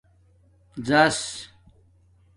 ژاݽ